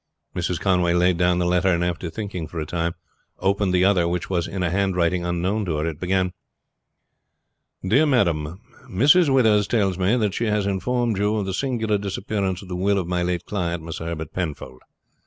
Mrs. Conway laid down the letter, and after thinking for a time opened the other, which was in a handwriting unknown to her. It began: "DEAR MADAM: Mrs. Withers tells me that she has informed you of the singular disappearance of the will of my late client, Mr. Herbert Penfold.